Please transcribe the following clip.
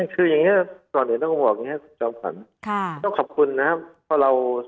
คืออย่างนี้ตอนนี้ต้องบอกให้สำคัญต้องขอบคุณนะครับ